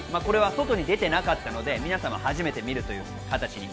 外に出てなかったので皆さんは初めて見るという形に。